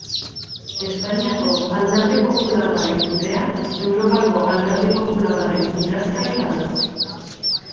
Espainiako Alderdi Popularraren kidea, Europako Alderdi Popularraren idazkaria da.